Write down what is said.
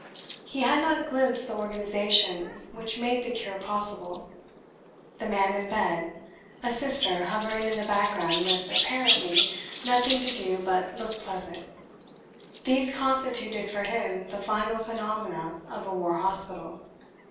He had not glimpsed the organisation which made the cure possible. The man in bed, a Sister hovering in the background with, apparently, nothing to do but look pleasant these constituted, for him, the final phenomena of a war hospital.